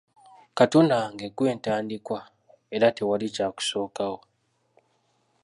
Katonda wange Gwe ntandikwa era tewali Kyakusookawo.